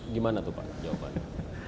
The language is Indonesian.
gimana tuh pak jawabannya